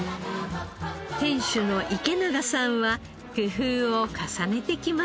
店主の池永さんは工夫を重ねてきました。